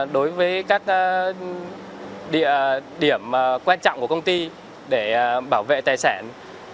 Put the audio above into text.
đối với các địa điểm quan trọng của công ty để bảo vệ tài sản